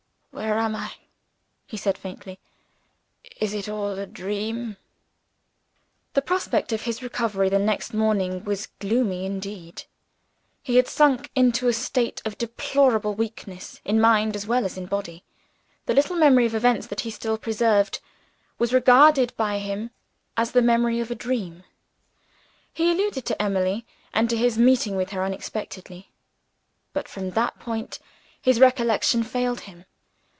"Where am I?" he said faintly. "Is it all a dream?" The prospect of his recovery the next morning was gloomy indeed. He had sunk into a state of deplorable weakness, in mind as well as in body. The little memory of events that he still preserved was regarded by him as the memory of a dream. He alluded to Emily, and to his meeting with her unexpectedly. But from that point his recollection failed him.